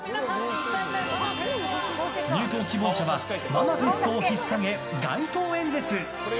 入党希望者はママフェストを引っさげ街頭演説。